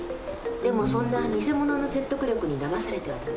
でもそんなニセモノの説得力にだまされては駄目。